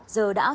giờ đã trở lại